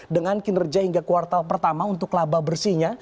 dengan kinerja hingga kuartal pertama untuk laba bersihnya